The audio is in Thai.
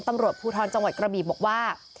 ตำรวจภูทรจังหวัดกระบีบอกว่า